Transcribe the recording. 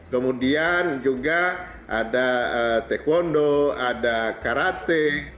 kemudian juga ada taekwondo ada karate